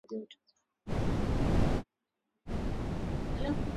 Kiwango cha juu cha joto